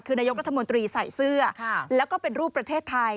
คือนายกรัฐมนตรีใส่เสื้อแล้วก็เป็นรูปประเทศไทย